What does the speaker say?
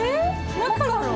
マカロン？